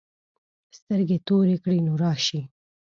سترګې تورې کړې نو راشې.